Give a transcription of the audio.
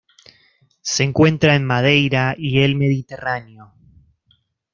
Se encuentra en Madeira y el Mediterráneo.